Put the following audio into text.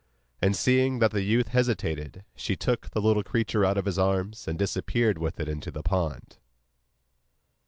And, seeing that the youth hesitated, she took the little creature out of his arms, and disappeared with it into the pond.